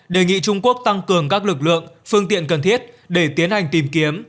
đề nghị trung quốc tăng cường các lực lượng phương tiện cần thiết để tiến hành tìm kiếm